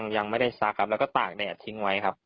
ยังไม่ได้ซักครับแล้วก็ตากแดดทิ้งไว้ครับ